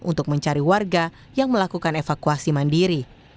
untuk mencari warga yang melakukan evakuasi mandiri